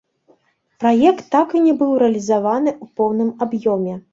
Праект так і не быў рэалізаваны ў поўным аб'ёме.